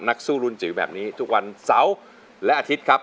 นักสู้รุ่นจิ๋วแบบนี้ทุกวันเสาร์และอาทิตย์ครับ